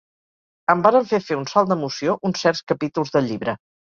Em varen fer fer un salt d'emoció uns certs capítols del llibre.